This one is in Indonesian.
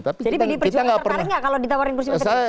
jadi pdi perjuangan tertarik gak kalau ditawarin kursi menteri